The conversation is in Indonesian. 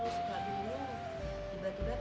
tiba tiba pengen apa gitu